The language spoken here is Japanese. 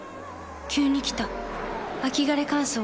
急に来た秋枯れ乾燥。